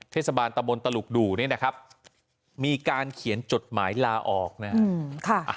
เทศบาลตะบนตลุกดู่เนี่ยนะครับมีการเขียนจดหมายลาออกนะครับ